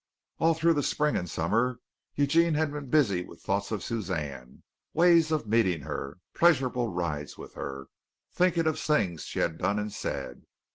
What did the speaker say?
All through the spring and summer Eugene had been busy with thoughts of Suzanne, ways of meeting her, pleasurable rides with her, thinking of things she had done and said.